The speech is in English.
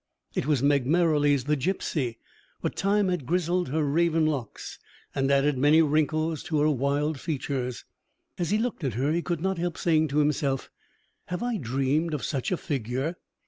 It was Meg Merrilies the gipsy; but time had grizzled her raven locks, and added many wrinkles to her wild features. As he looked at her, he could not help saying to himself: "Have I dreamed of such a figure?"